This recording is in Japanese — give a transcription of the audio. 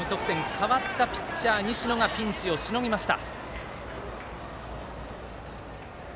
代わったピッチャー西野がピンチをしのぎました。